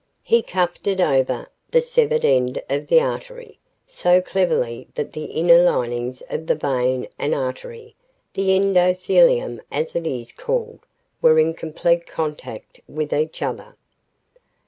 He cuffed it over the severed end of the artery, so cleverly that the inner linings of the vein and artery, the endothelium as it is called, were in complete contact with each other.